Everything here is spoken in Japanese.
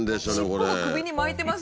尻尾が首に巻いてます